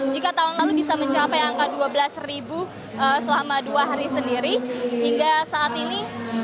jika tahun lalu bisa mencapai angka dua belas ribu selama dua hari sendiri hingga saat ini